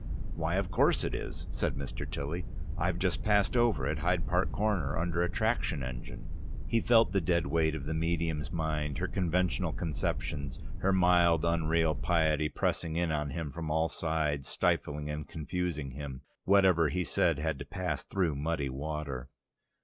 "Why, of course it is," said Mr. Tilly. "I've just passed over at Hyde Park Corner under a traction engine..." He felt the dead weight of the medium's mind, her conventional conceptions, her mild, unreal piety pressing in on him from all sides, stifling and confusing him. Whatever he said had to pass through muddy water...